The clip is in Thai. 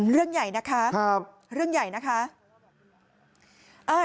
เรื่องใหญ่นะคะ